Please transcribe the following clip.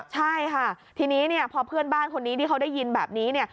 ใช่ค่ะทีนี้พอเพื่อนบ้านคนนี้ที่เขาได้ยินแบบนี้